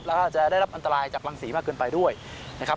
แล้วก็จะได้รับอันตรายจากรังสีมากเกินไปด้วยนะครับ